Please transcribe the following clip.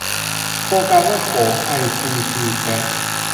โครงการแม่โขงไอซีทีแคมป์